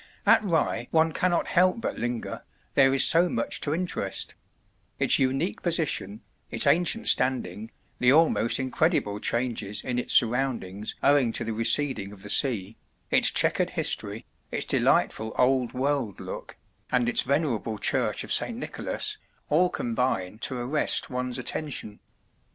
At Rye one cannot help but linger, there is so much to interest; its unique position, its ancient standing, the almost incredible changes in its surroundings owing to the receding of the sea, its chequered history, its delightful, old world look, and its venerable church of St. Nicholas, all combine to arrest one's attention.